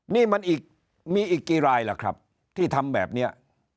นี่มันมีอีกกี่รายล่ะครับที่ทำแบบนี้